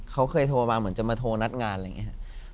เขาเคยโทรมาเหมือนจะมาโทรนัดงานอะไรอย่างนี้ครับ